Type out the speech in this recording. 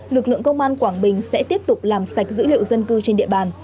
lực lượng công an quảng bình sẽ tiếp tục làm sạch dữ liệu dân cư trên địa bàn